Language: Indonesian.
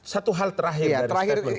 satu hal terakhir dari statement